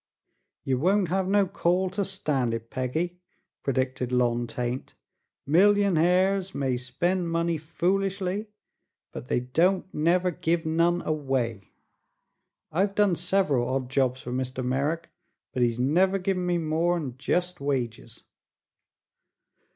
"Ye won't hev no call to stan' it, Peggy," pre dcted Lon Tait. "Milyunhairs may spend money foolish, but they don't never give none away. I've done sev'ral odd jobs fer Mr. Merrick, but he's never give me more'n jest wages."